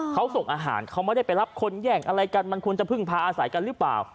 เขาส่งอาหารเขาไม่ได้ไปรับคนแย่งอะไรกันมันควรจะพึ่งพาอาศัยกันหรือเปล่า